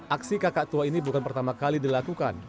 aksi kakak tua ini bukan pertama kali dilakukan